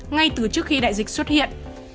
ngay từ trước khi đại dịch xuất hiện